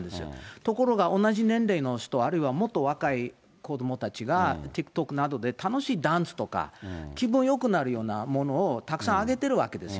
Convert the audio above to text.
ところが、同じ年齢の人、あるいはもっと若い子どもたちが、ＴｉｋＴｏｋなどで楽しいダンスとか、気分よくなるようなものをたくさん上げてるわけですよ。